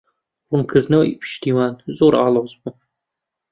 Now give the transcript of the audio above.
ڕوونکردنەوەی پشتیوان زۆر ئاڵۆز بوو.